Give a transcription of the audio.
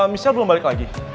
misal belum balik lagi